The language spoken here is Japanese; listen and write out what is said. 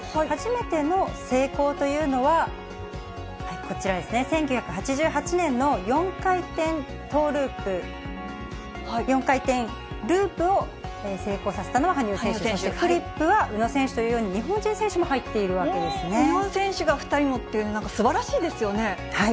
初めての成功というのは、こちらですね、１９８８年の４回転トーループ、４回転ループを成功させたのは羽生選手、フリップは宇野選手というように、日本人選手も入っているわけです日本選手が２人もって、なんかすばらしいですよね。